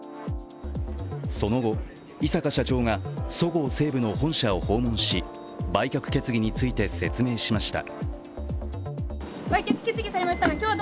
その後、井阪社長がそごう・西武の本社を訪問し売却決議について説明しました。